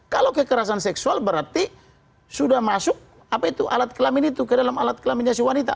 kalau kekerasan seksual berarti sudah masuk alat kelamin itu ke dalam alat kelaminnya si wanita